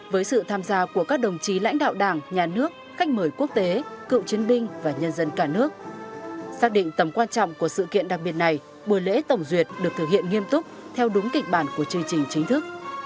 với sự tham gia của các đồng chí lãnh đạo đảng nhà nước khách mời quốc tế cựu chiến binh và nhân dân cả nước xác định tầm quan trọng của sự kiện đặc biệt này buổi lễ tổng duyệt được thực hiện nghiêm túc theo đúng kịch bản của chương trình chính thức